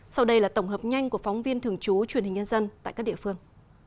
sau đây là tổng hợp nhanh của phóng viên thường trú truyền hình nhân dân tại các địa phương